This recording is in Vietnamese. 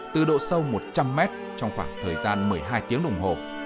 từ độ sâu một trăm linh mét trong khoảng thời gian một mươi hai tiếng đồng hồ